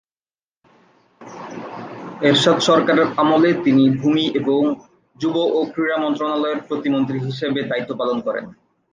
এরশাদ সরকারের আমলে তিনি ভূমি এবং যুব ও ক্রীড়া মন্ত্রণালয়ের প্রতিমন্ত্রী হিসেবে দায়িত্বপালন করেন।